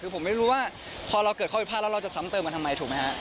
คือผมไม่รู้ว่าพอเราเกิดข้อผิดพลาดแล้วเราจะซ้ำเติมกันทำไมถูกไหมฮะ